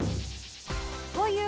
という